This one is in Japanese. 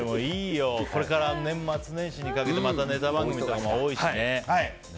これから年末年始にかけてまたネタ番組とかも多いしね。